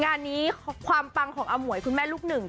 งานนี้ความปังของอมวยคุณแม่ลูกหนึ่ง